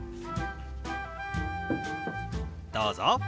どうぞ。